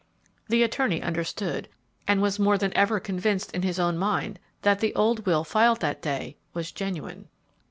The attorney understood, and was more than ever convinced in his ow mind that the old will filed that day was genuine.